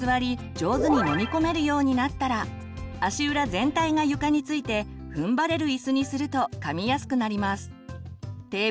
上手に飲み込めるようになったら足裏全体が床についてふんばれる椅子にするとかみやすくなります。